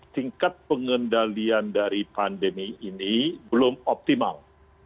tingkat pengendalian dari pandemi ini belum optimal